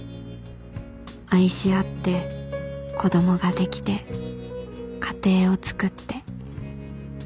愛し合って子供ができて家庭をつくって